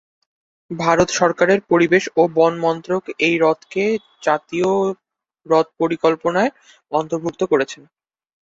ভারত সরকারের পরিবেশ ও বন মন্ত্রক এই হ্রদকে জাতীয় হ্রদ পরিকল্পনার অন্তর্ভুক্ত করেছেন।